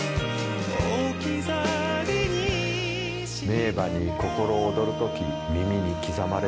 名馬に心躍るとき耳に刻まれる名曲。